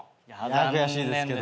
悔しいですけど。